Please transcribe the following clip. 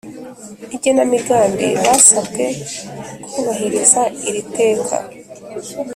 Igenamigambi basabwe kubahiriza iri teka